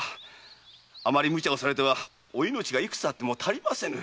あまり無茶をされてはお命がいくつあっても足りませぬ。